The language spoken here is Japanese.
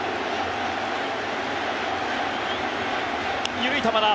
緩い球だ。